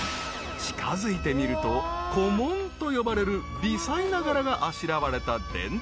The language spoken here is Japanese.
［近づいてみると小紋と呼ばれる微細な柄があしらわれた伝統工芸］